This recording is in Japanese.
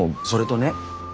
それとね